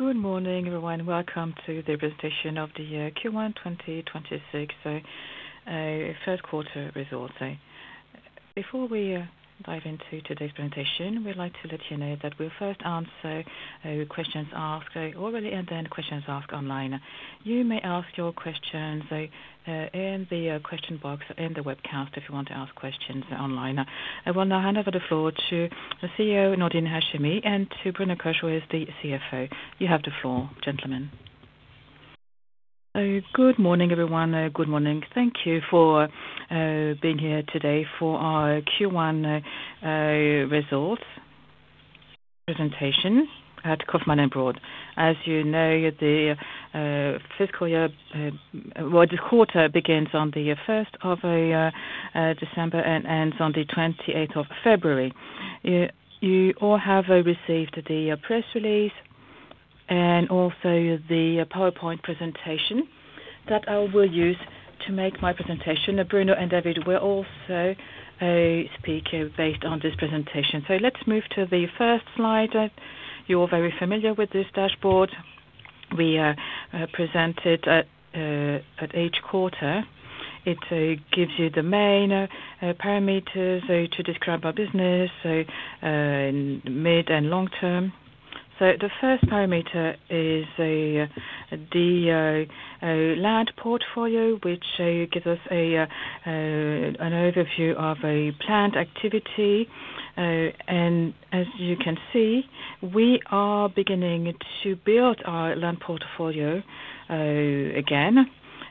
Good morning, everyone. Welcome to the presentation of the Q1 2026, so first quarter results. Before we dive into today's presentation, we'd like to let you know that we'll first answer questions asked orally and then questions asked online. You may ask your questions in the question box in the webcast if you want to ask questions online. I will now hand over the floor to the CEO, Nordine Hachemi, and to Bruno Coche, who is the CFO. You have the floor, gentlemen. Good morning, everyone. Good morning. Thank you for being here today for our Q1 results presentation at Kaufman & Broad. As you know, the fiscal quarter begins on the 1st of December and ends on the 28th of February. You all have received the press release and also the PowerPoint presentation that I will use to make my presentation. Bruno Coche and David Laurent will also speak based on this presentation. Let's move to the first slide. You're very familiar with this dashboard. We present it at each quarter. It gives you the main parameters to describe our business in mid and long term. The first parameter is the land portfolio, which gives us an overview of our planned activity. As you can see, we are beginning to build our land portfolio again, and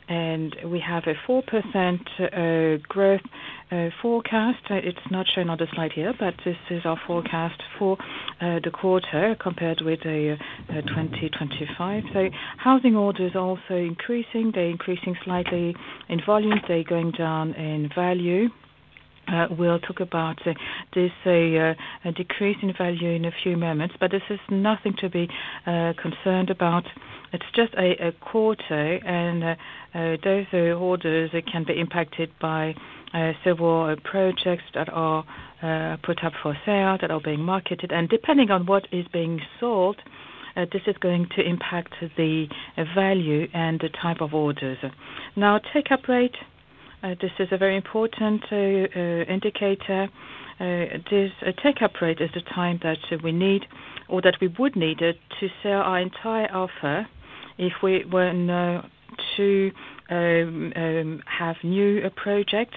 we have a 4% growth forecast. It's not shown on the slide here, but this is our forecast for the quarter compared with 2025. Housing orders also increasing. They're increasing slightly in volume. They're going down in value. We'll talk about this decrease in value in a few moments, but this is nothing to be concerned about. It's just a quarter, and those orders can be impacted by several projects that are put up for sale, that are being marketed, and depending on what is being sold, this is going to impact the value and the type of orders. Now, take-up rate, this is a very important indicator. This take-up rate is the time that we need or that we would need it to sell our entire offer if we were now to have new projects.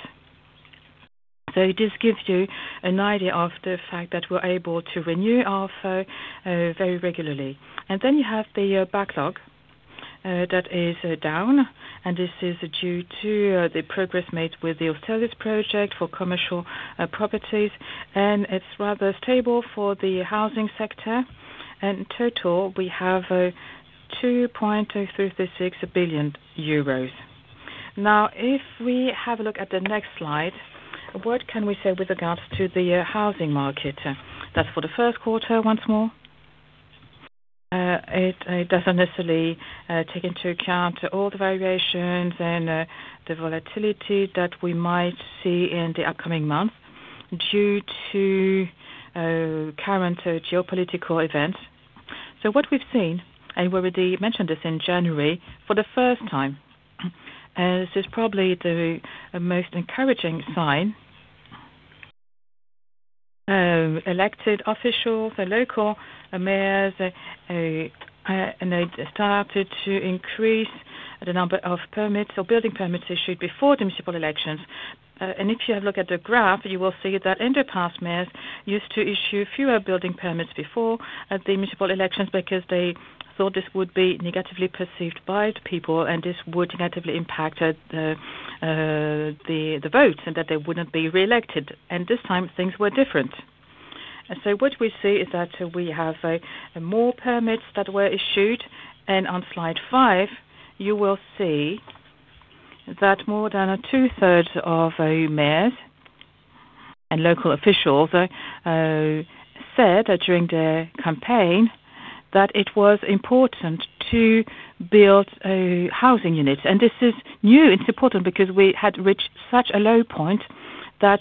So this gives you an idea of the fact that we're able to renew our offer very regularly. You have the backlog that is down, and this is due to the progress made with the Austerlitz project for commercial properties, and it's rather stable for the housing sector. In total, we have 2.336 billion euros. Now, if we have a look at the next slide, what can we say with regards to the housing market? That's for the first quarter once more. It doesn't necessarily take into account all the variations and the volatility that we might see in the upcoming months due to current geopolitical events. What we've seen, and we already mentioned this in January, for the first time, this is probably the most encouraging sign. Elected officials, the local mayors, started to increase the number of permits or building permits issued before the municipal elections. If you have a look at the graph, you will see that in the past, mayors used to issue fewer building permits before the municipal elections because they thought this would be negatively perceived by the people, and this would negatively impact the votes, and that they wouldn't be reelected. This time things were different. What we see is that we have more permits that were issued. On slide five, you will see that more than 2/3 of mayors and local officials said during the campaign that it was important to build housing units. This is new. It's important because we had reached such a low point that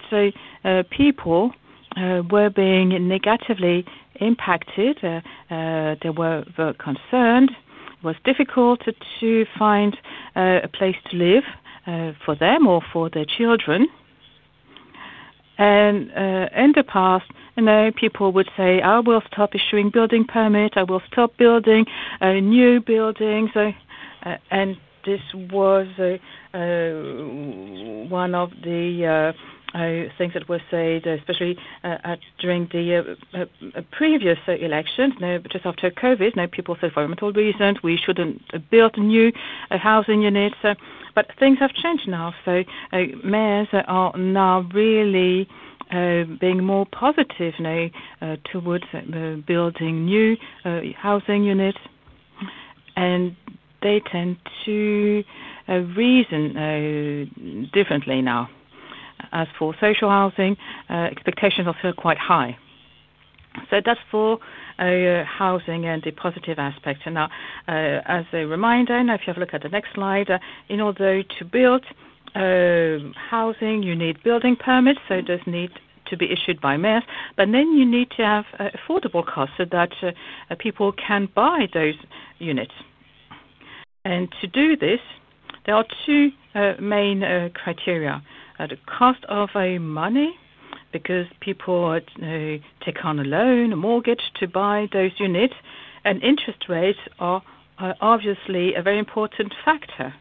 people were being negatively impacted. They were concerned. It was difficult to find a place to live for them or for their children. In the past, people would say, "I will stop issuing building permits. I will stop building new buildings." This was one of the things that was said, especially during the previous elections, just after COVID. People said, "For mental reasons, we shouldn't build new housing units." Things have changed now. Mayors are now really being more positive now towards building new housing units, and they tend to reason differently now. As for social housing, expectations are still quite high. That's for housing and the positive aspects. Now, as a reminder, now if you have a look at the next slide, in order to build housing, you need building permits, so it does need to be issued by mayors. Then you need to have affordable costs so that people can buy those units. To do this, there are two main criteria. The cost of money, because people take on a loan, a mortgage to buy those units, and interest rates are obviously a very important factor.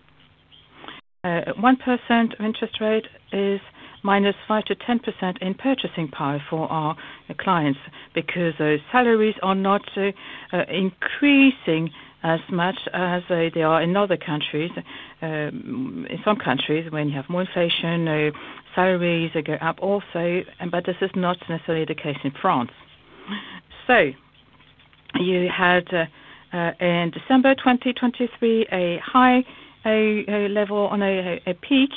1% interest rate is -5% to 10% in purchasing power for our clients because those salaries are not increasing as much as they are in other countries. In some countries, when you have more inflation, salaries go up also, but this is not necessarily the case in France. You had, in December 2023, a high level on a peak.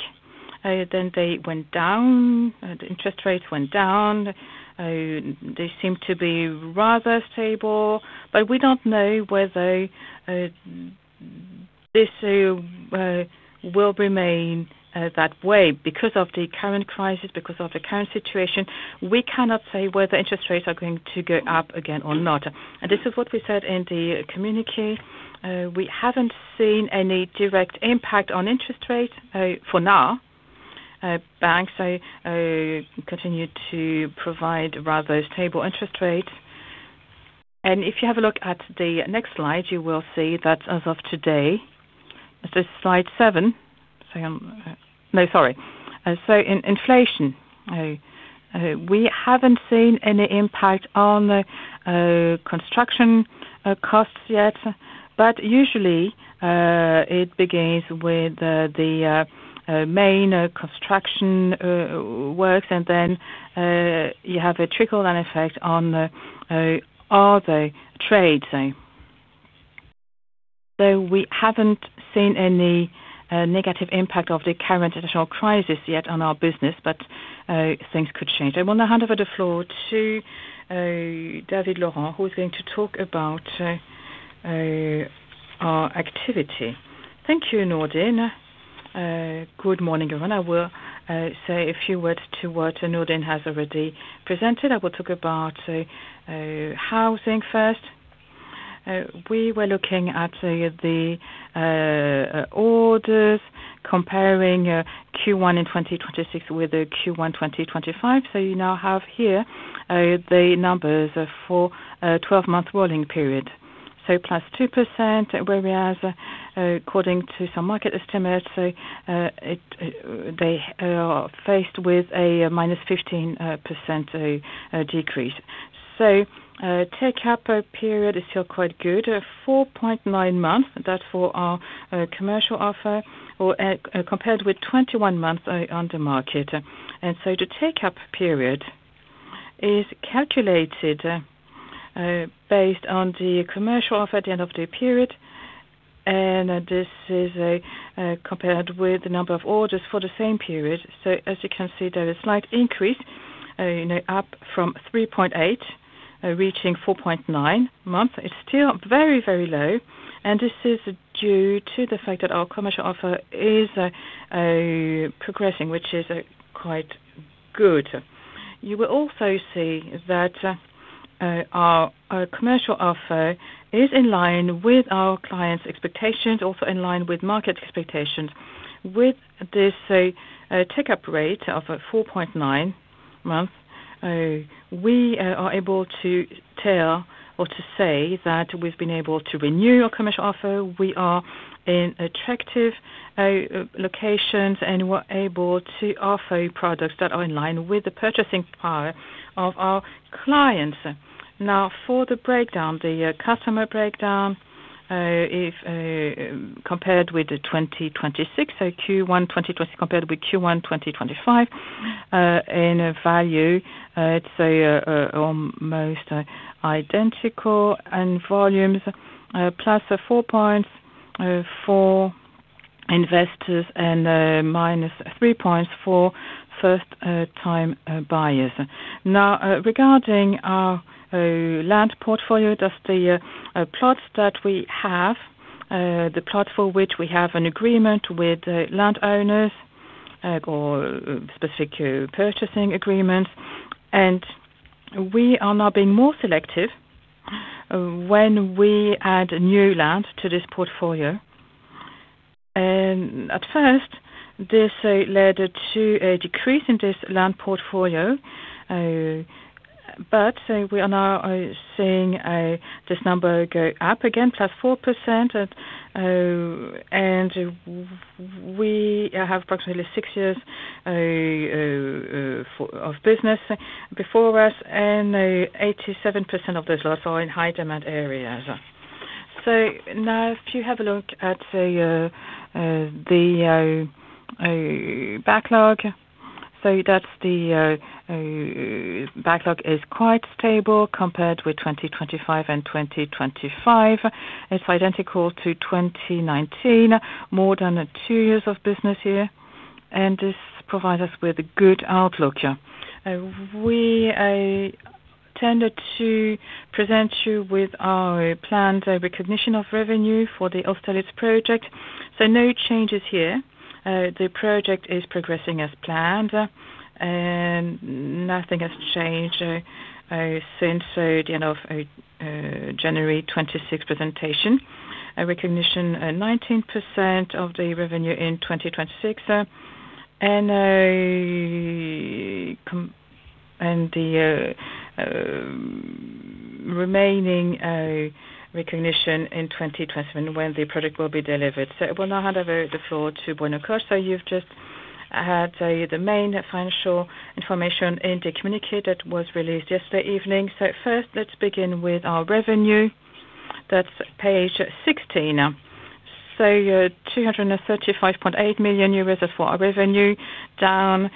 They went down, the interest rates went down. They seem to be rather stable, but we don't know whether this will remain that way. Because of the current crisis, because of the current situation, we cannot say whether interest rates are going to go up again or not. This is what we said in the communique. We haven't seen any direct impact on interest rates for now. Banks continue to provide rather stable interest rates. If you have a look at the next slide, you will see that as of today, this is slide seven. On inflation, we haven't seen any impact on the construction costs yet, but usually it begins with the main construction works and then you have a trickle-down effect on all the trades. We haven't seen any negative impact of the current additional crisis yet on our business, but things could change. I want to hand over the floor to David Laurent, who is going to talk about our activity. Thank you, Nordine. Good morning, everyone. I will say a few words about what Nordine has already presented. I will talk about housing first. We were looking at the orders comparing Q1 2026 with Q1 2025. You now have here the numbers for a 12-month rolling period. +2%, whereas according to some market estimates, they are faced with a -15% decrease. Take-up period is still quite good, at 4.9 months. That's for our commercial offer or compared with 21 months on the market. The take-up period is calculated based on the commercial offer at the end of the period, and this is compared with the number of orders for the same period. As you can see, there is slight increase, up from 3.8 months, reaching 4.9 months. It's still very low, and this is due to the fact that our commercial offer is progressing, which is quite good. You will also see that our commercial offer is in line with our clients' expectations, also in line with market expectations. With this take-up rate of 4.9 months, we are able to tell or to say that we've been able to renew our commercial offer. We are in attractive locations, and we're able to offer products that are in line with the purchasing power of our clients. Now for the breakdown, the customer breakdown, compared with 2026, so Q1 2026 compared with Q1 2025, in value, it's almost identical, and volumes +4.4% investors and -3.4% first time buyers. Now regarding our land portfolio, that's the plots that we have, the plot for which we have an agreement with the landowners or specific purchasing agreements. We are now being more selective when we add new land to this portfolio. At first, this led to a decrease in this land portfolio, but we are now seeing this number go up again, +4%, and we have approximately six years of business before us, and 87% of those lots are in high-demand areas. Now if you have a look at the backlog. That's the backlog is quite stable compared with 2025. It's identical to 2019, more than two years of business here, and this provides us with a good outlook. We tended to present you with our planned recognition of revenue for the Austerlitz project. No changes here. The project is progressing as planned, and nothing has changed since the end of January 2026 presentation. A recognition of 19% of the revenue in 2026, and the remaining recognition in 2027 when the product will be delivered. I will now hand over the floor to Bruno Coche. You've just had the main financial information in the communiqué that was released yesterday evening. First, let's begin with our revenue. That's page 16. 235.8 million euros for our revenue, down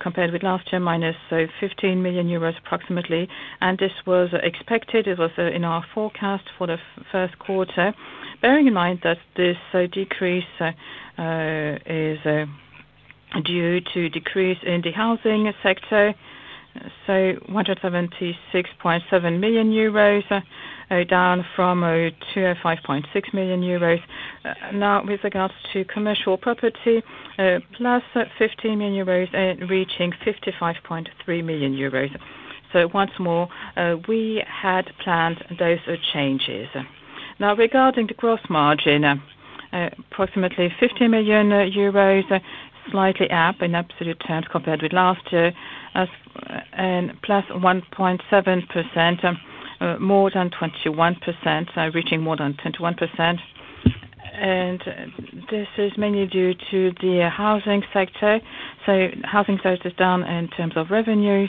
compared with last year, -15 million euros, approximately. This was expected. It was in our forecast for the first quarter. Bearing in mind that this decrease is due to decrease in the housing sector. 176.7 million euros, down from 205.6 million euros. With regards to commercial property, +15 million euros, reaching 55.3 million euros. Once more, we had planned those changes. Regarding the gross margin, approximately 50 million euros, slightly up in absolute terms compared with last year, and +1.7%, more than 21%, reaching more than 21%. This is mainly due to the housing sector. Housing sector is down in terms of revenue,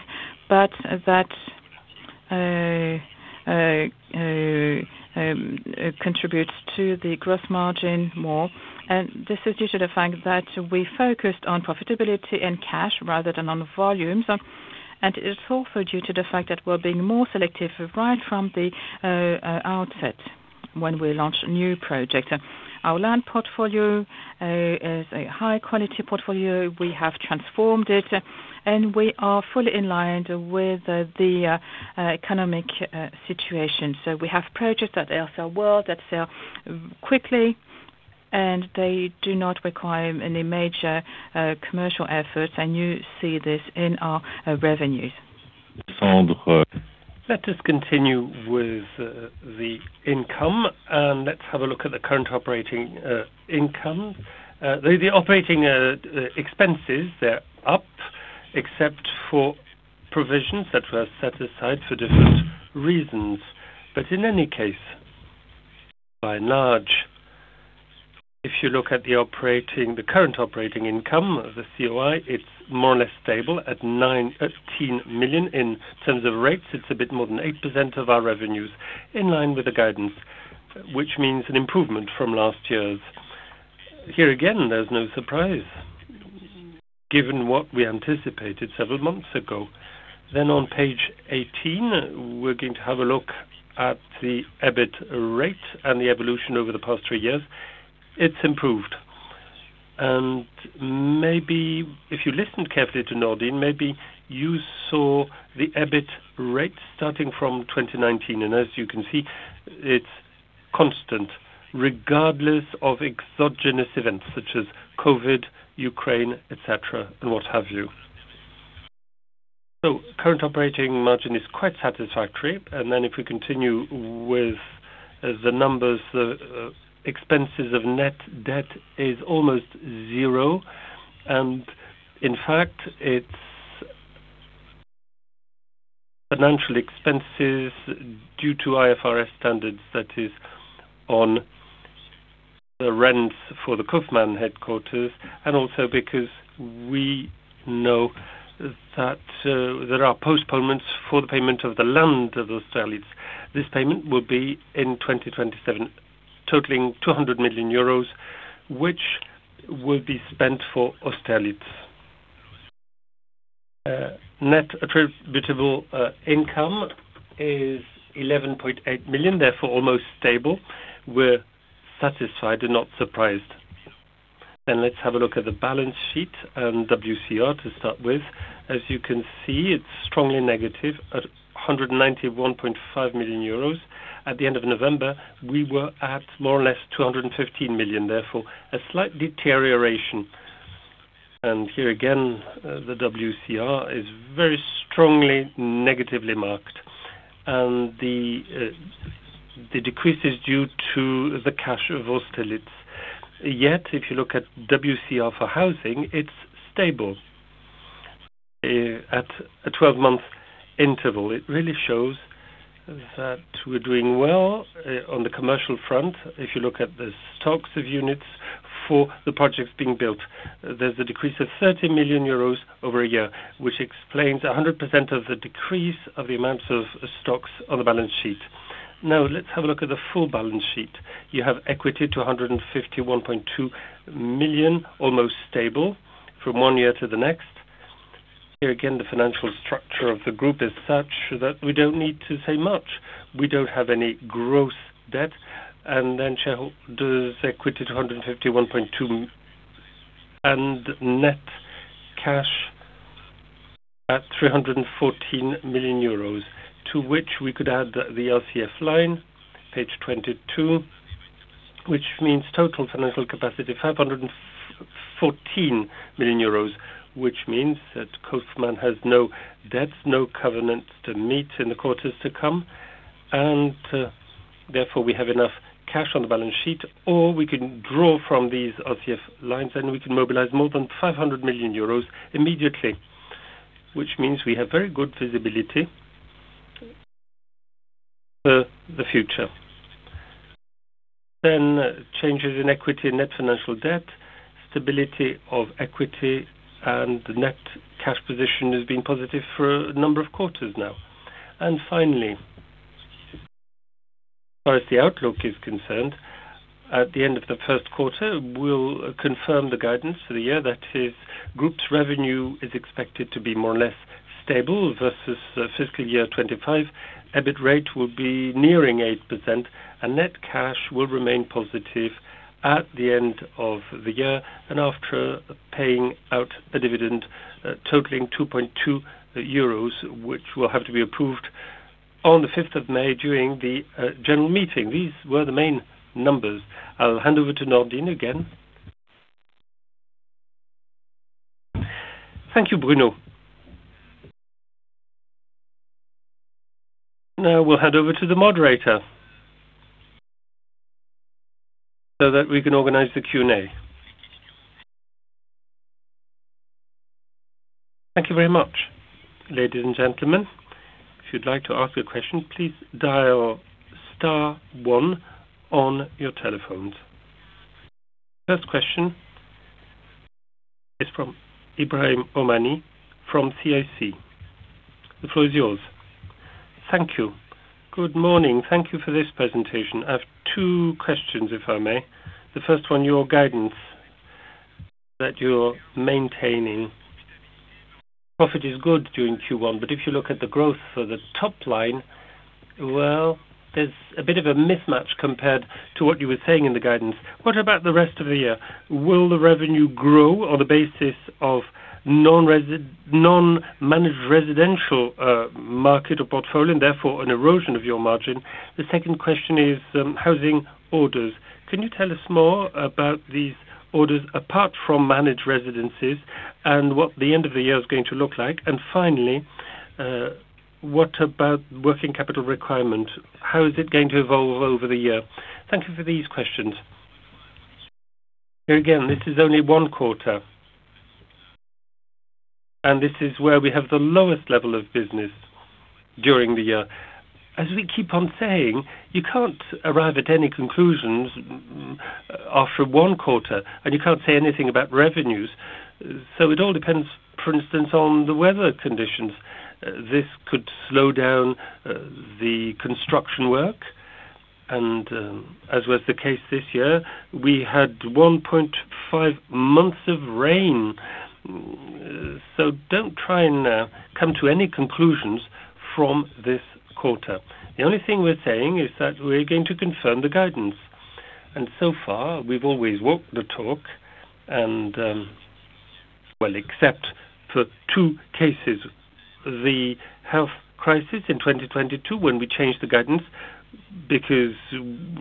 but that contributes to the gross margin more. This is due to the fact that we focused on profitability and cash rather than on volumes. It is also due to the fact that we're being more selective right from the outset when we launch a new project. Our land portfolio is a high-quality portfolio. We have transformed it, and we are fully in line with the economic situation. We have projects that sell well, that sell quickly, and they do not require any major commercial efforts, and you see this in our revenues. Let us continue with the income, and let's have a look at the current operating income. The operating expenses, they're up except for provisions that were set aside for different reasons. In any case, by and large, if you look at the current operating income, the COI, it's more or less stable at 18 million. In terms of rates, it's a bit more than 8% of our revenues, in line with the guidance, which means an improvement from last year. Here again, there's no surprise given what we anticipated several months ago. On page 18, we're going to have a look at the EBIT rate and the evolution over the past three years. It's improved. Maybe if you listened carefully to Nordine, maybe you saw the EBIT rate starting from 2019. As you can see, it's constant regardless of exogenous events such as COVID, Ukraine, et cetera, and what have you. Current operating margin is quite satisfactory. If we continue with the numbers, expenses of net debt is almost zero. In fact, it's financial expenses due to IFRS standards, that is on the rent for the Kaufman & Broad headquarters, and also because we know that there are postponements for the payment of the land of Austerlitz. This payment will be in 2027, totaling 200 million euros, which will be spent for Austerlitz. Net attributable income is 11.8 million, therefore almost stable. We're satisfied and not surprised. Let's have a look at the balance sheet, WCR to start with. As you can see, it's strongly negative at 191.5 million euros. At the end of November, we were at more or less 215 million, therefore a slight deterioration. Here again, the WCR is very strongly negatively marked, and the decrease is due to the cash of Austerlitz. Yet, if you look at WCR for housing, it's stable. At a 12-month interval, it really shows that we're doing well on the commercial front. If you look at the stocks of units for the projects being built, there's a decrease of 30 million euros over a year, which explains 100% of the decrease of the amounts of stocks on the balance sheet. Now let's have a look at the full balance sheet. You have equity to 151.2 million, almost stable from one year to the next. Here again, the financial structure of the group is such that we don't need to say much. We don't have any gross debt, and then shareholder's equity to 151.2 million and net cash at 314 million euros. To which we could add the LCF line, page 22, which means total financial capacity of 514 million euros, which means that Kaufman has no debts, no covenants to meet in the quarters to come, and therefore we have enough cash on the balance sheet, or we can draw from these RCF lines, and we can mobilize more than 500 million euros immediately, which means we have very good visibility for the future. Changes in equity and net financial debt, stability of equity, and the net cash position has been positive for a number of quarters now. Finally, as far as the outlook is concerned, at the end of the first quarter, we'll confirm the guidance for the year. That is, group's revenue is expected to be more or less stable versus fiscal year 2025. EBIT rate will be nearing 8%, and net cash will remain positive at the end of the year and after paying out a dividend totaling 2.2 euros, which will have to be approved on the 5th of May during the general meeting. These were the main numbers. I'll hand over to Nordine again. Thank you, Bruno. Now we'll hand over to the moderator so that we can organize the Q&A. Thank you very much. Ladies and gentlemen, if you'd like to ask a question, please dial star one on your telephones. First question is from Ebrahim Homani from CIC. The floor is yours. Thank you. Good morning. Thank you for this presentation. I have two questions, if I may. The first one, your guidance that you're maintaining. Profit is good during Q1, but if you look at the growth for the top line, well, there's a bit of a mismatch compared to what you were saying in the guidance. What about the rest of the year? Will the revenue grow on the basis of non-managed residential market or portfolio, and therefore an erosion of your margin? The second question is housing orders. Can you tell us more about these orders apart from managed residences and what the end of the year is going to look like? And finally, what about working capital requirement? How is it going to evolve over the year? Thank you for these questions. Again, this is only one quarter. This is where we have the lowest level of business during the year. As we keep on saying, you can't arrive at any conclusions after one quarter, and you can't say anything about revenues. It all depends, for instance, on the weather conditions. This could slow down the construction work. As was the case this year, we had 1.5 months of rain. Don't try and come to any conclusions from this quarter. The only thing we're saying is that we're going to confirm the guidance. So far, we've always walked the talk and. Well, except for two cases, the health crisis in 2022 when we changed the guidance because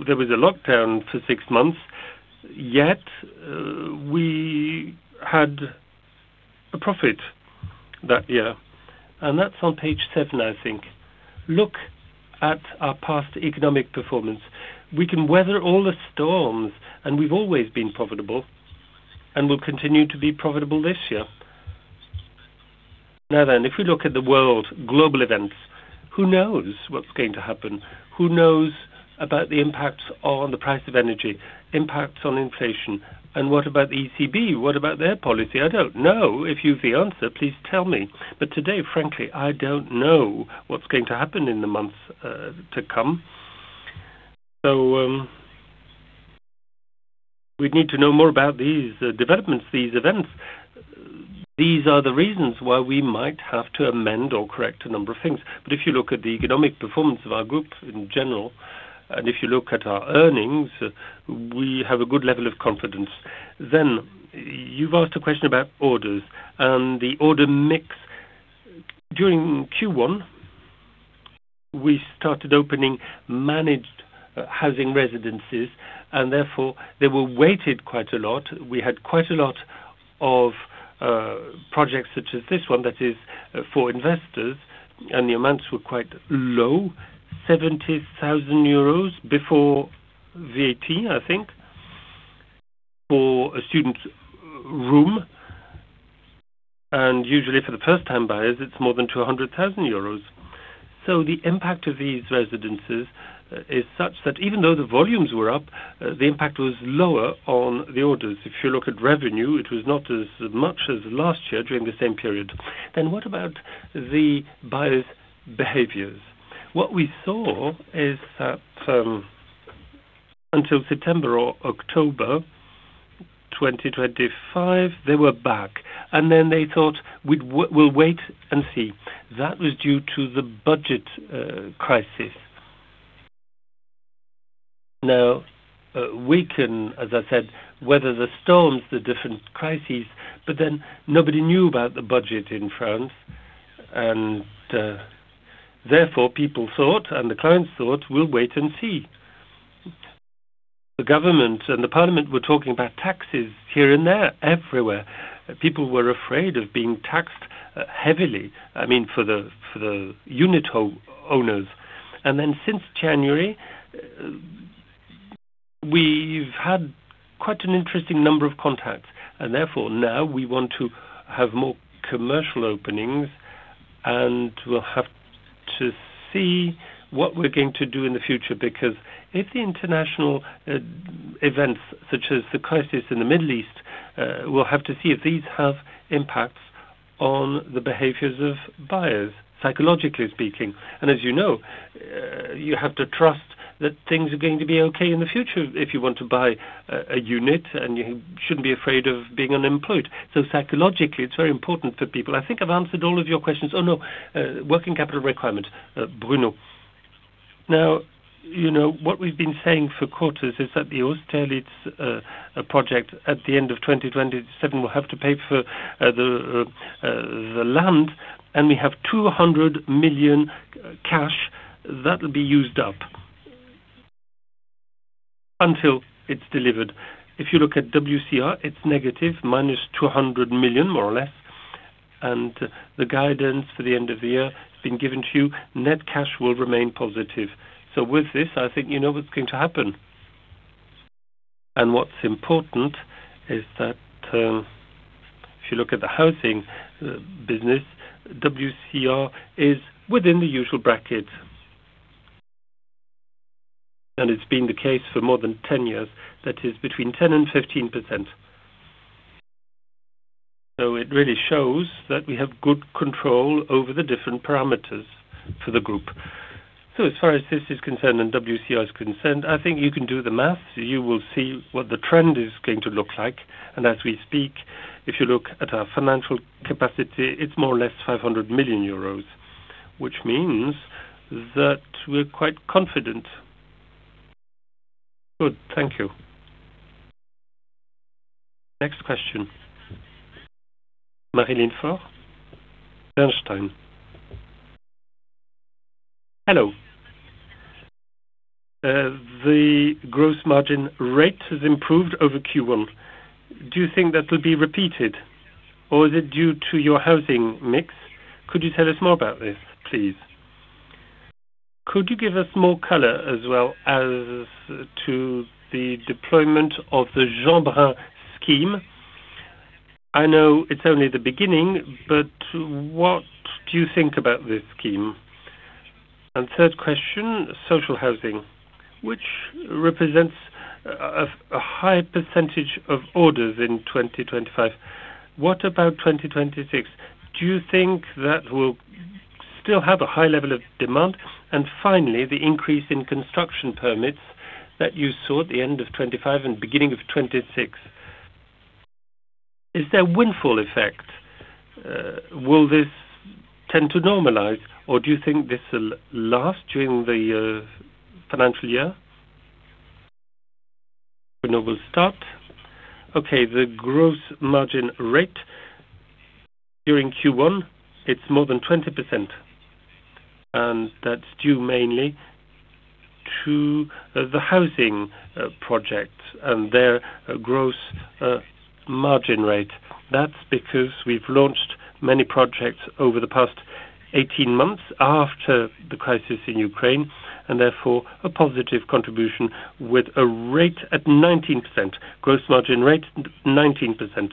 there was a lockdown for six months. Yet, we had a profit that year, and that's on page seven, I think. Look at our past economic performance. We can weather all the storms, and we've always been profitable and will continue to be profitable this year. Now then, if we look at the world global events, who knows what's going to happen? Who knows about the impacts on the price of energy, impacts on inflation, and what about the ECB? What about their policy? I don't know. If you have the answer, please tell me. Today, frankly, I don't know what's going to happen in the months to come. We'd need to know more about these developments, these events. These are the reasons why we might have to amend or correct a number of things. If you look at the economic performance of our group in general, and if you look at our earnings, we have a good level of confidence. You've asked a question about orders and the order mix. During Q1, we started opening managed residences, and therefore they were weighted quite a lot. We had quite a lot of projects such as this one that is for investors, and the amounts were quite low, 70,000 euros before VAT for a student room. Usually, for the first-time buyers, it's more than 200,000 euros. The impact of these residences is such that even though the volumes were up, the impact was lower on the orders. If you look at revenue, it was not as much as last year during the same period. What about the buyers' behaviors? What we saw is that until September or October 2025, they were back, and then they thought, "We'll wait and see." That was due to the budget crisis. Now we can, as I said, weather the storms, the different crises, but then nobody knew about the budget in France, and therefore people thought, and the clients thought, we'll wait and see. The government and the parliament were talking about taxes here and there, everywhere. People were afraid of being taxed heavily, for the unit owners. Then since January, we've had quite an interesting number of contacts, and therefore now we want to have more commercial openings, and we'll have to see what we're going to do in the future, because if the international events such as the crisis in the Middle East, we'll have to see if these have impacts on the behaviors of buyers, psychologically speaking. As you know, you have to trust that things are going to be okay in the future if you want to buy a unit, and you shouldn't be afraid of being unemployed. Psychologically, it's very important for people. I've answered all of your questions. Oh, no. Working capital requirements, Bruno. Now, what we've been saying for quarters is that the Austerlitz project at the end of 2027 will have to pay for the land, and we have 200 million cash that will be used up until it's delivered. If you look at WCR, it's negative, -200 million, more or less. The guidance for the end of the year has been given to you. Net cash will remain positive. With this, you know what's going to happen. What's important is that if you look at the housing business, WCR is within the usual bracket. It's been the case for more than 10 years. That is between 10% and 15%. It really shows that we have good control over the different parameters for the group. As far as this is concerned and WCR is concerned, you can do the math. You will see what the trend is going to look like. As we speak, if you look at our financial capacity, it's more or less 500 million euros, which means that we're quite confident. Good. Thank you. Next question. Marie-Line Fort, Bernstein. Hello. The gross margin rate has improved over Q1. Do you think that will be repeated, or is it due to your housing mix? Could you tell us more about this, please? Could you give us more color as well as to the deployment of the Denormandie scheme? I know it's only the beginning, but what do you think about this scheme? Third question, social housing, which represents a high percentage of orders in 2025. What about 2026? Do you think that will still have a high level of demand? Finally, the increase in construction permits that you saw at the end of 2025 and beginning of 2026. Is there a windfall effect? Will this tend to normalize, or do you think this will last during the financial year? Bruno will start. Okay. The gross margin rate during Q1, it's more than 20%, and that's due mainly to the housing projects and their gross margin rate. That's because we've launched many projects over the past 18 months after the crisis in Ukraine, and therefore a positive contribution with a rate at 19%, gross margin rate 19%.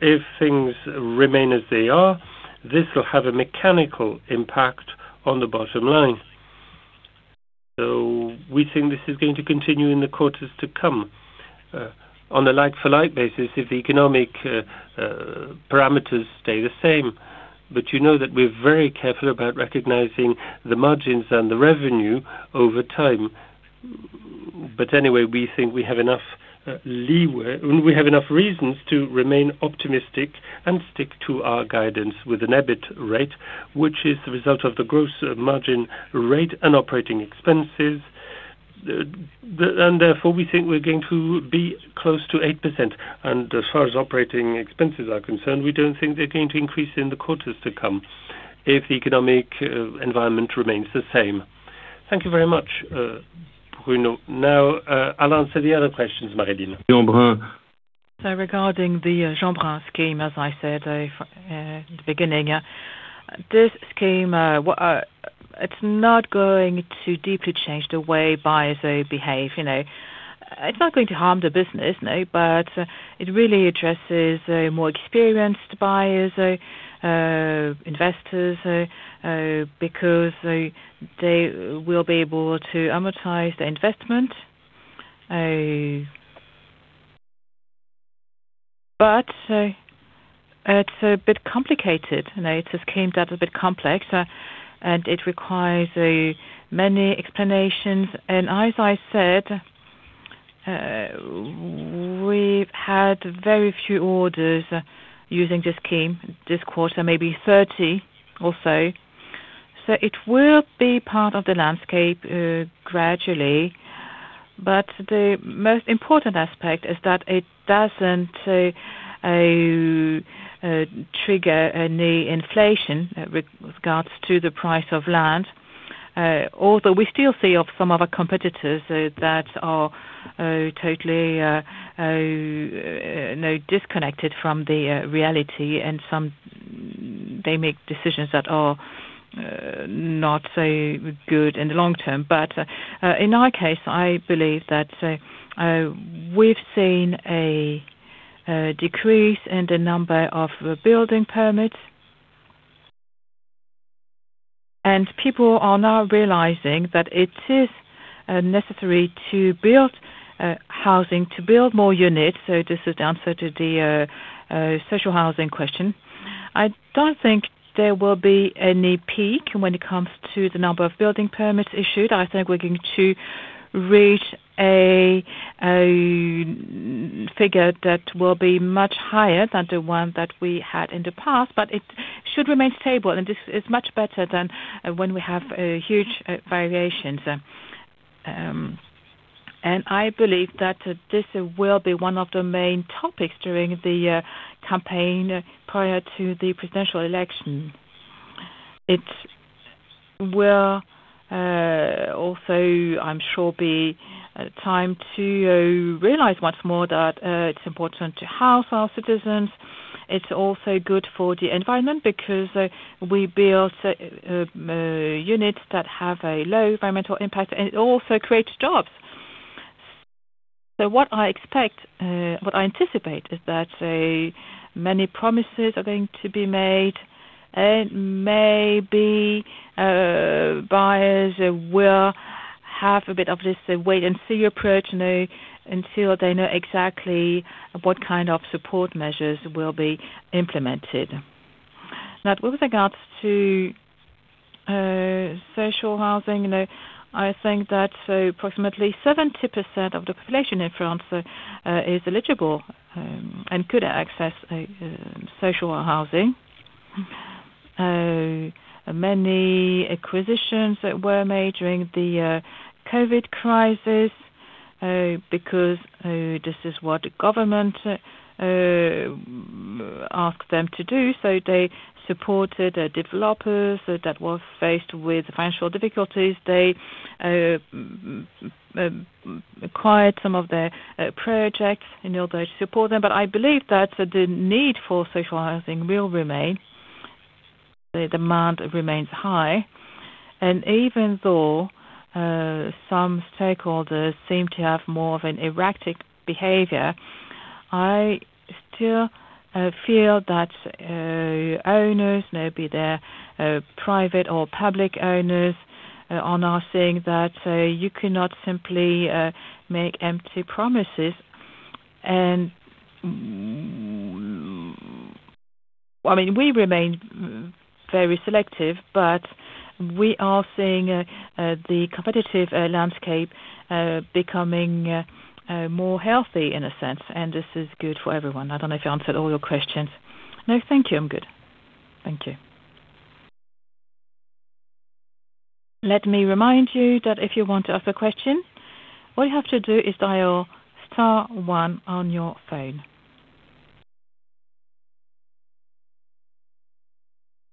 If things remain as they are, this will have a mechanical impact on the bottom line. We think this is going to continue in the quarters to come. On a like-for-like basis, if the economic parameters stay the same, but you know that we're very careful about recognizing the margins and the revenue over time. Anyway, we think we have enough leeway, and we have enough reasons to remain optimistic and stick to our guidance with an EBIT rate, which is the result of the gross margin rate and operating expenses. Therefore, we think we're going to be close to 8%. As far as operating expenses are concerned, we don't think they're going to increase in the quarters to come if the economic environment remains the same. Thank you very much, Bruno. Now, I'll answer the other questions, Marie-Line. Denormandie. Regarding the Denormandie scheme, as I said in the beginning, this scheme, it's not going to deeply change the way buyers behave. It's not going to harm the business, but it really addresses more experienced buyers, investors, because they will be able to amortize their investment. It's a bit complicated. The scheme is a bit complex, and it requires many explanations. As I said, we've had very few orders using this scheme this quarter, maybe 30 or so. It will be part of the landscape gradually, but the most important aspect is that it doesn't trigger any inflation with regards to the price of land. Although we still see some of our competitors that are totally disconnected from the reality, and they make decisions that are not so good in the long term. In our case, I believe that we've seen a decrease in the number of building permits, and people are now realizing that it is necessary to build housing, to build more units. This is the answer to the social housing question. I don't think there will be any peak when it comes to the number of building permits issued. We're going to reach a figure that will be much higher than the one that we had in the past, but it should remain stable, and this is much better than when we have huge variations. I believe that this will be one of the main topics during the campaign prior to the presidential election. It will also, I'm sure, be a time to realize once more that it's important to house our citizens. It's also good for the environment because we build units that have a low environmental impact, and it also creates jobs. What I anticipate is that many promises are going to be made, and maybe buyers will have a bit of a wait-and-see approach now until they know exactly what kind of support measures will be implemented. Now, with regards to social housing, that approximately 70% of the population in France is eligible and could access social housing. Many acquisitions that were made during the COVID crisis because this is what the government asked them to do. So they supported developers that were faced with financial difficulties. They acquired some of their projects in order to support them. I believe that the need for social housing will remain. The demand remains high, and even though some stakeholders seem to have more of an erratic behavior, I still feel that owners, be they private or public owners, are now seeing that you cannot simply make empty promises. We remain very selective, but we are seeing the competitive landscape becoming more healthy in a sense, and this is good for everyone. I don't know if I answered all your questions. No, thank you. I'm good. Let me remind you that if you want to ask a question, all you have to do is dial star one on your phone.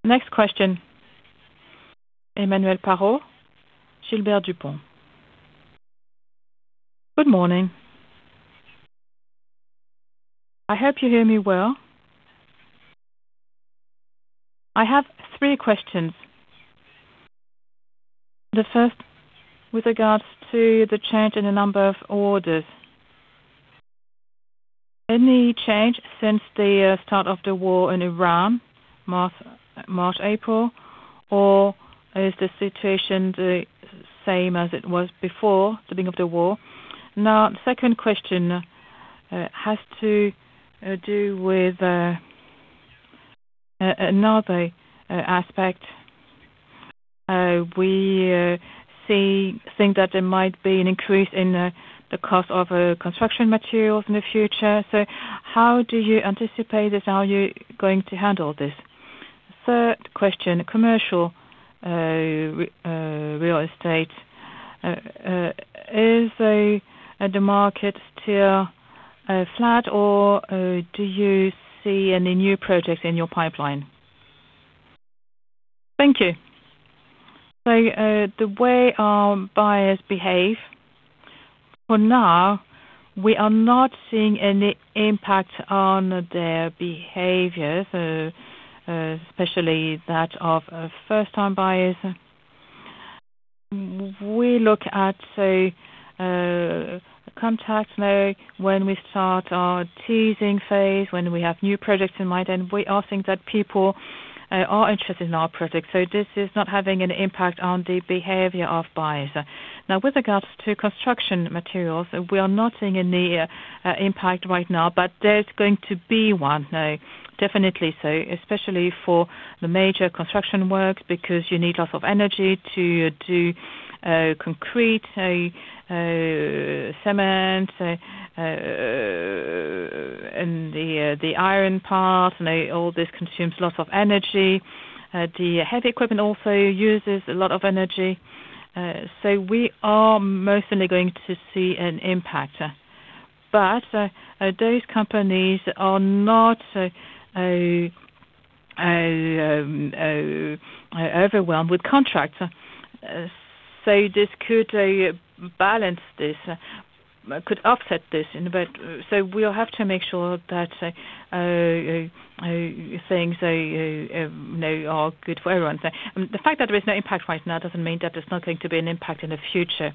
Next question Emmanuel Parot, Gilbert Dupont. Good morning. I hope you hear me well. I have three questions. The first, with regards to the change in the number of orders. Any change since the start of the war in Ukraine, March, April, or is the situation the same as it was before the beginning of the war? Now, second question has to do with another aspect. We think that there might be an increase in the cost of construction materials in the future. How do you anticipate this? How are you going to handle this? Third question, commercial real estate. Is the market still flat, or do you see any new projects in your pipeline? Thank you. The way our buyers behave, for now, we are not seeing any impact on their behavior, especially that of first-time buyers. We look at the contacts now when we start our teasing phase, when we have new projects in mind, and we are seeing that people are interested in our projects. This is not having an impact on the behavior of buyers. Now, with regards to construction materials, we are not seeing any impact right now, but there's going to be one, definitely. Especially for the major construction works, because you need a lot of energy to do concrete, cement, and the iron part and all this consumes a lot of energy. The heavy equipment also uses a lot of energy. We are mostly going to see an impact. Those companies are not overwhelmed with contracts, so this could balance this, could offset this in a bit. We'll have to make sure that things are good for everyone. The fact that there is no impact right now doesn't mean that there's not going to be an impact in the future.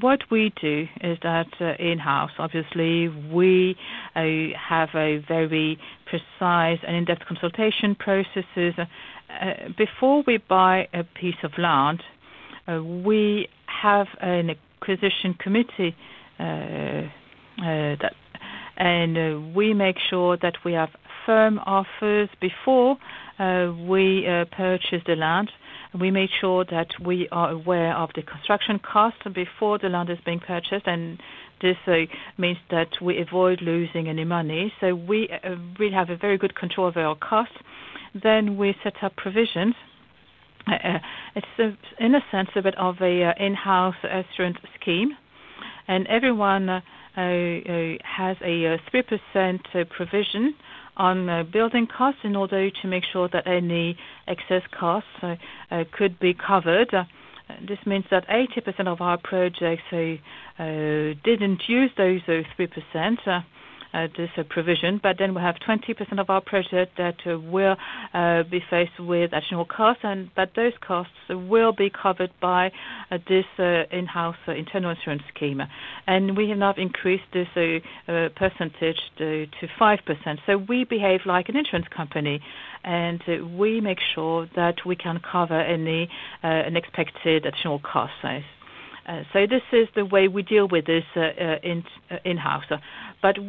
What we do is that in-house, obviously, we have a very precise and in-depth consultation processes. Before we buy a piece of land, we have an acquisition committee, and we make sure that we have firm offers before we purchase the land. We make sure that we are aware of the construction cost before the land is being purchased, and this means that we avoid losing any money. We have a very good control over our costs. We set up provisions. It's in a sense a bit of a in-house insurance scheme. Everyone has a 3% provision on building costs in order to make sure that any excess costs could be covered. This means that 80% of our projects didn't use those 3%, this provision. We have 20% of our projects that will be faced with additional costs, but those costs will be covered by this in-house internal insurance scheme. We have now increased this percentage to 5%. We behave like an insurance company, and we make sure that we can cover any unexpected additional costs. This is the way we deal with this in-house.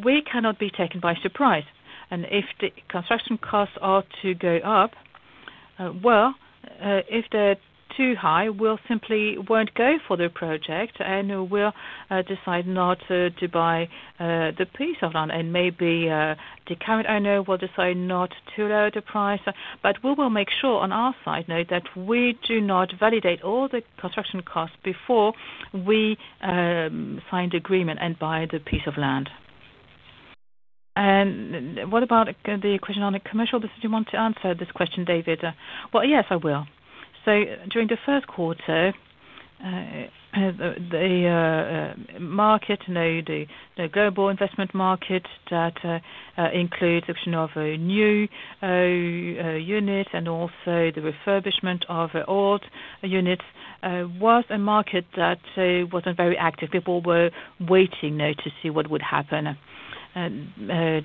We cannot be taken by surprise. If the construction costs are to go up, well, if they're too high, we'll simply won't go for the project, and we'll decide not to buy the piece of land. Maybe the current owner will decide not to lower the price. We will make sure on our side that we do not validate all the construction costs before we sign the agreement and buy the piece of land. What about the question on the commercial? Do you want to answer this question, David? Well, yes, I will. During the first quarter, the global investment market that includes the option of a new unit and also the refurbishment of old units, was a market that wasn't very active. People were waiting now to see what would happen. The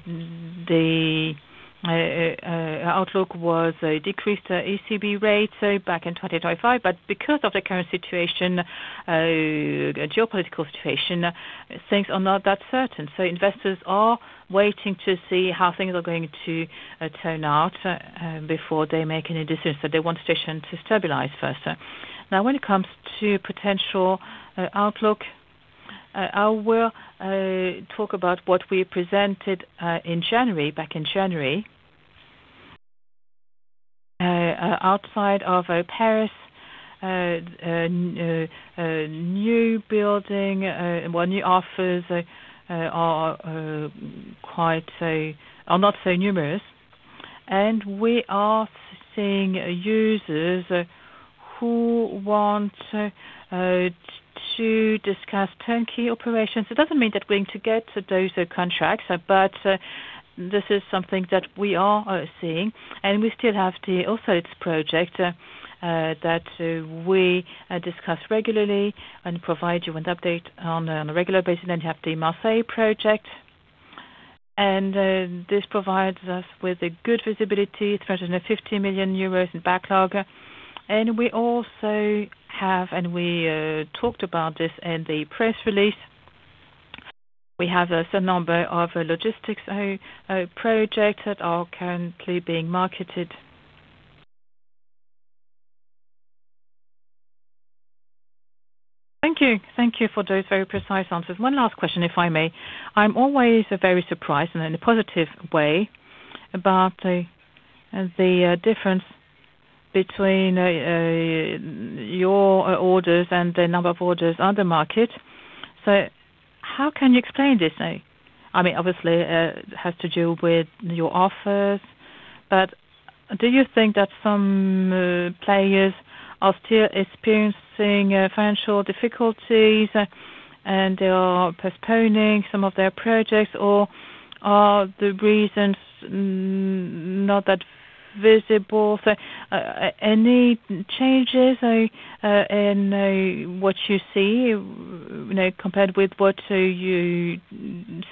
outlook was a decreased ECB rate back in 2025, but because of the current geopolitical situation, things are not that certain. Investors are waiting to see how things are going to turn out before they make any decisions. They want the situation to stabilize first. Now, when it comes to potential outlook, I will talk about what we presented back in January. Outside of Paris, new building, well, new offers are not so numerous, and we are seeing users who want to discuss turnkey operations. It doesn't mean they're going to get those contracts, but this is something that we are seeing. We still have the Office List project that we discuss regularly and provide you with update on a regular basis. You have the Marseille project, and this provides us with a good visibility. It's more than 50 million euros in backlog. We also have, and we talked about this in the press release, we have a certain number of logistics projects that are currently being marketed. Thank you. Thank you for those very precise answers. One last question, if I may. I'm always very surprised in a positive way about the difference between your orders and the number of orders on the market. How can you explain this? Obviously, it has to do with your offers, but do you think that some players are still experiencing financial difficulties and they are postponing some of their projects? Or are the reasons not that visible? Any changes in what you see now compared with what you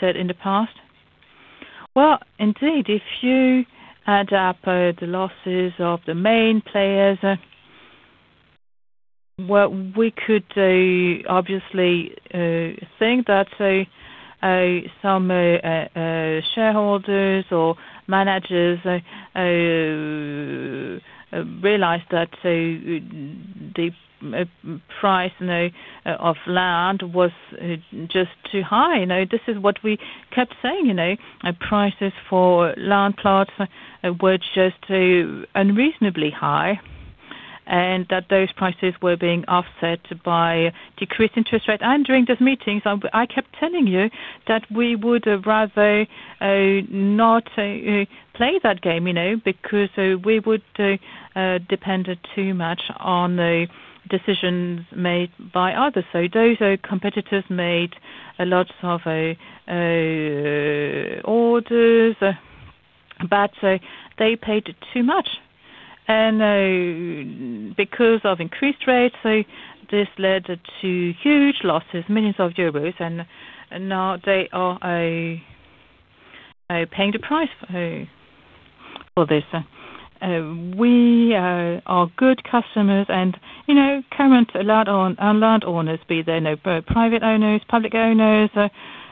said in the past? Well, indeed, if you add up the losses of the main players, well, we could obviously think that some shareholders or managers are realized that the price of land was just too high. This is what we kept saying. Prices for land plots were just too unreasonably high, and that those prices were being offset by decreased interest rate. During those meetings, I kept telling you that we would rather not play that game, because we would depend too much on the decisions made by others. Those competitors made a lot of orders, but they paid too much. Because of increased rates, this led to huge losses, millions of EUR, and now they are paying the price for this. We are good customers and current land owners, be they private owners, public owners.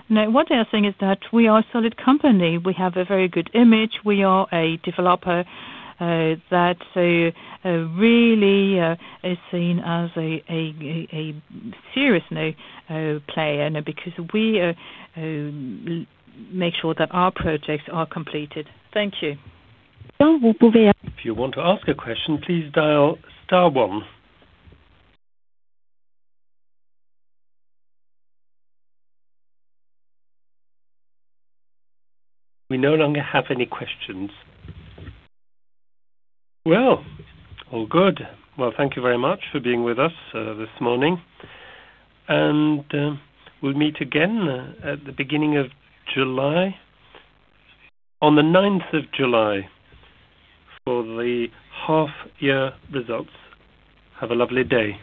One other thing is that we are a solid company. We have a very good image. We are a developer that really is seen as a serious player now because we make sure that our projects are completed. Thank you. If you want to ask a question please dial star one. We no longer have any questions. Well, all good. Well, thank you very much for being with us this morning. We'll meet again at the beginning of July, on the 9th of July for the half-year results. Have a lovely day.